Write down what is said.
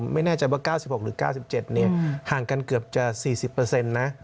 ไม่แน่ใจว่า๙๖หรือ๙๗ห่างกันเกือบจะ๔๐นะ